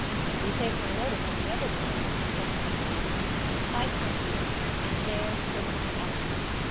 "You take no notice of the other girl," said my friend. I turned, and there stood my Ellen!